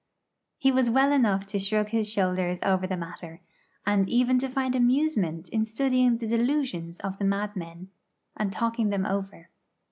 He was well enough to shrug his shoulders over the matter, and even to find amusement in studying the delusions of the madmen, and talking them over.